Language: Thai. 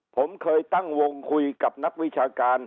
ผมเคยตั้งวงคุยกับนักวิชาการ